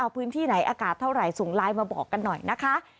พื้นที่ไหนอากาศเท่าไหร่ส่งไลน์มาบอกกันหน่อยนะคะ